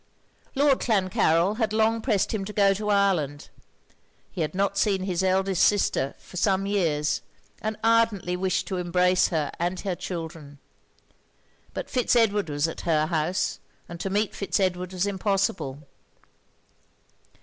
Lord Clancarryl had long pressed him to go to Ireland: he had not seen his eldest sister for some years; and ardently wished to embrace her and her children. But Fitz Edward was at her house; and to meet Fitz Edward was impossible.